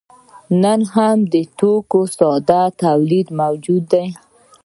نن هم د توکو ساده تولید موجود دی.